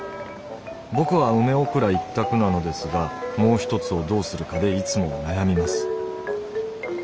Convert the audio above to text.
僕は梅おくら一択なのですがもう一つをどうするかでいつも悩みます。